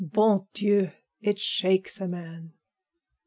Bon Dieu! It shakes a man!"